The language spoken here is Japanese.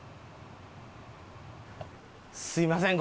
すいません